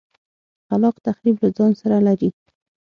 خلاق تخریب له ځان سره لري.